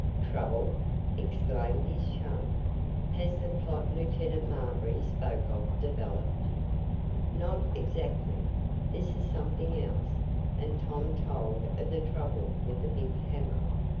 "Trouble!" exclaimed his chum. "Has that plot Lieutenant Marbury spoke of developed?" "Not exactly. This is something else," and Tom told of the trouble with the big hammer.